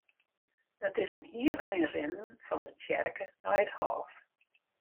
It is in hiel ein rinnen fan de tsjerke nei it hôf.